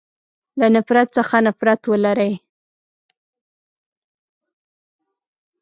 له نفرت څخه نفرت ولری.